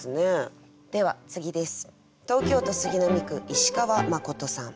では次です。